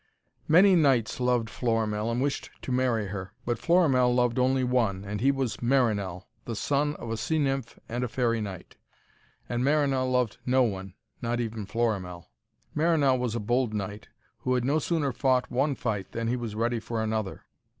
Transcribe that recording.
Many knights loved Florimell and wished to marry her. But Florimell loved only one, and he was Marinell, the son of a sea nymph and a fairy knight And Marinell loved no one, not even Florimell. Marinell was a bold knight, who had no sooner fought one fight than he was ready for another.